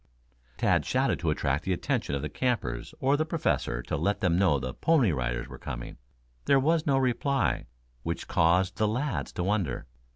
Tad shouted to attract the attention of the campers or the Professor to let them know the Pony Riders were coming. There was no reply, which caused the lads to wonder.